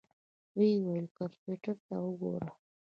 ويې ويل کمپيوټر ته وګوره.